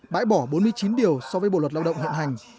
bãi bỏ bốn mươi chín điều so với bộ luật lao động hiện hành